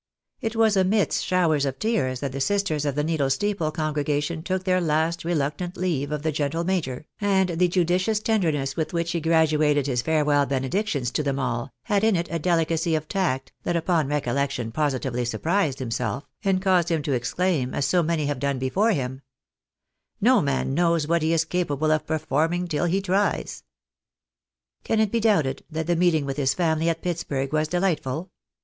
It was amidst showers of tears that the sisters of the Needle Steeple congregation took their last reluctant leave of the gentle major, and the judicious tenderness with which he graduated his farewell benedictions to them all, had in it a delicacy of tact, that upon recollection positively surprised himself, and caused him to exclaim as so many have done before him, " No man knows what he is capable of performing tiU he tries." Can it be doubted that the meeting with his family at Pitts burg was delightful